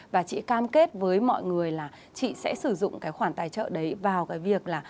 và chị cam kết với mọi người là chị sẽ sử dụng cái khoản tài trợ đấy vào cái việc là